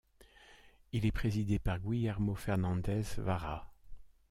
Il est présidé par Guillermo Fernández Vara.